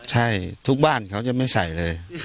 ใช่ทุกบ้านเขาจะไม่ใส่เลย